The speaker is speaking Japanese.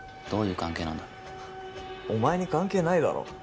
お前に関係ないだろ？